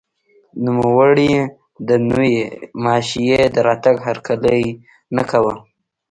نوموړي د نوې ماشیۍ د راتګ هرکلی نه کاوه.